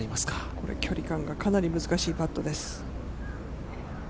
これ、距離感がかなり難しいパットです。